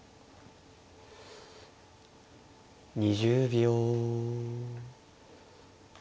２０秒。